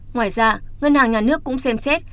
ngoài ra ngân hàng nhà nước cũng xem xét